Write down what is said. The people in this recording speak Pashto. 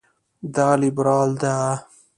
دا لېبرال ده.